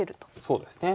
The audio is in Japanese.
そうですね。